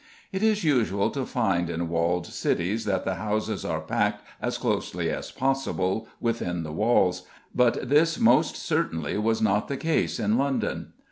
It is usual to find in walled cities that the houses are packed as closely as possible within the walls; but this most certainly was not the case in London.